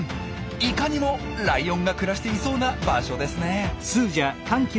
いかにもライオンが暮らしていそうな場所ですね！